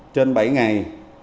trên bảy ngày